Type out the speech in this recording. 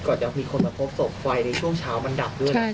จะมีคนมาพบศพไฟในช่วงเช้ามันดับด้วยนะ